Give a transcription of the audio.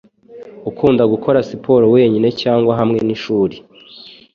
Ukunda gukora siporo wenyine cyangwa hamwe nishuri?